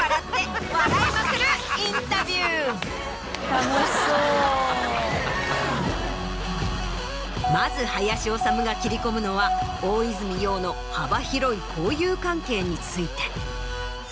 ・楽しそう・まず林修が切り込むのは大泉洋の幅広い交友関係について。